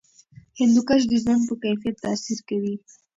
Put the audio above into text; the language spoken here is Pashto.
هندوکش د ژوند په کیفیت تاثیر کوي.